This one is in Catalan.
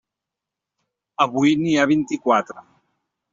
Avui n'hi ha vint-i-quatre.